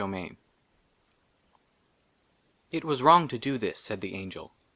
59 LIV " IT WAS WRONG TO DO THIS," SAID THE ANGEL.